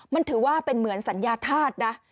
มันถือว่าเป็นเหมือนสัญญาธาตุนะ